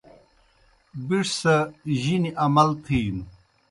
بِݜ سہ جِنیْ امَل تِھینوْ۔